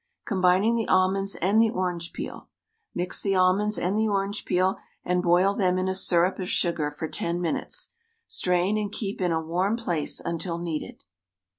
Combining the almonds and the orange peel : Mix the almonds and the orange peel and boil them in a syrup of sugar for ten minutes.. Strain and keep in a warm place until needed.